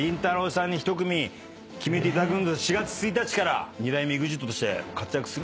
さんに１組決めていただくんで４月１日から二代目ＥＸＩＴとして活躍する。